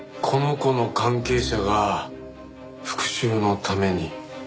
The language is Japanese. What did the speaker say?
この子の関係者が復讐のために？